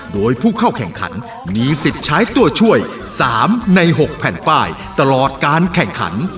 โดยผู้เข้าแข่งขันมีสิทธิ์ใช้ตัวช่วย๓ใน๖แผ่นป้ายตลอดการแข่งขัน